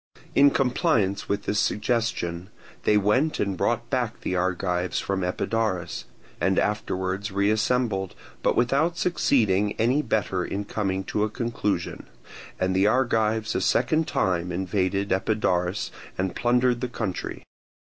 In compliance with this suggestion, they went and brought back the Argives from Epidaurus, and afterwards reassembled, but without succeeding any better in coming to a conclusion; and the Argives a second time invaded Epidaurus and plundered the country.